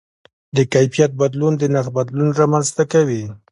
د کیفیت بدلون د نرخ بدلون رامنځته کوي.